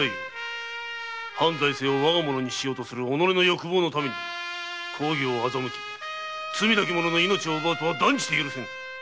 藩財政をわがものにしようとする己の欲望のため公儀を欺き罪なき者の命を奪うとは断じて許せぬ。